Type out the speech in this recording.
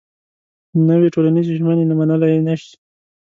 نوې ټولنيزې ژمنې منلای نه شم.